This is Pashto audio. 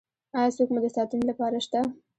ایا څوک مو د ساتنې لپاره شته؟